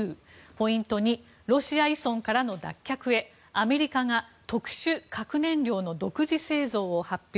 ポイント２ロシア依存からの脱却へアメリカが特殊核燃料の独自製造を発表。